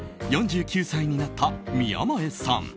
４９歳になった宮前さん。